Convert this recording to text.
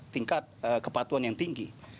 tingkat kepatuhan yang tinggi